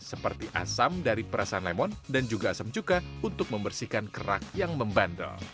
seperti asam dari perasaan lemon dan juga asam cuka untuk membersihkan kerak yang membandel